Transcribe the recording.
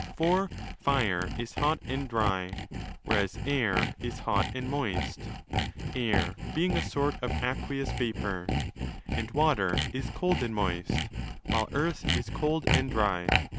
For Fire is hot and dry, whereas Air is hot and moist 5(Air being a sort of aqueous vapour); and Water is cold and moist, while Earth is cold and dry.